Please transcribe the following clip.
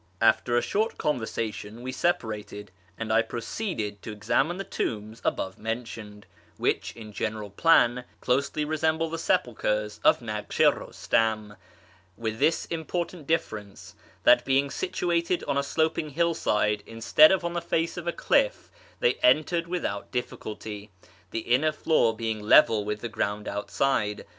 After a short conversation we separated, and I proceeded to examine the tombs above mentioned, which, in general plan, closely resemble the sepulchres of Naksh i Eustam, with this important difference, that being situated on a sloping hillside, instead of on the face of a cliff', they are entered with out difficulty, the inner floor being level with the ground outside.